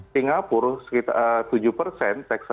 singapura tujuh persen